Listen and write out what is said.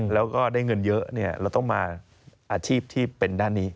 แล้วก็ได้เงินเยอะเราต้องมาอาชีพที่เป็นด้านนี้